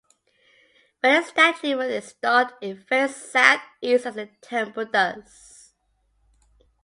When the statue was installed it faced southeast, as the temple does.